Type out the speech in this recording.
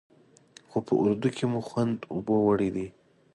خو په اردو کې مو خوند اوبو وړی دی.